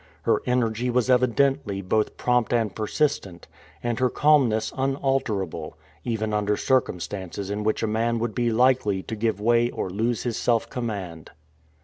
Her energy was evidently both prompt and persistent, and her calmness unalterable, even under circumstances in which a man would be likely to give way or lose his self command.